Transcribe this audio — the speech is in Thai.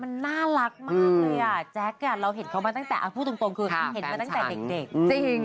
มันน่ารักมากเลยอ่ะแจ๊คเราเห็นเขามาตั้งแต่พูดตรงคือเห็นมาตั้งแต่เด็กจริง